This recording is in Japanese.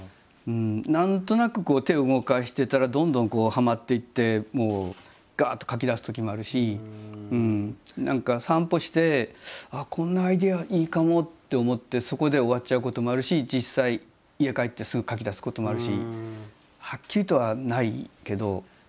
何となくこう手を動かしてたらどんどんはまっていってガッと描きだすときもあるし何か散歩してこんなアイデアいいかもって思ってそこで終わっちゃうこともあるし実際家帰ってすぐ描きだすこともあるしはっきりとはないけど。